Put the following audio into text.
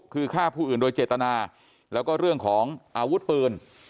คือฆ่าผู้อื่นโดยเจตนาแล้วก็เรื่องของอาวุธปืน